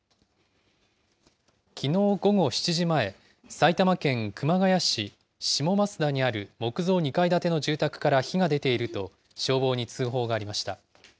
きのう午後７時前、埼玉県熊谷市下増田にある木造２階建ての住宅から火が出ていると消防に通報がありました。